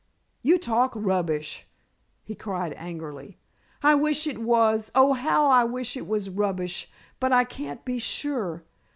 "You talk rubbish!" he cried angrily. "I wish it was. Oh, how I wish it was rubbish! But I can't be sure.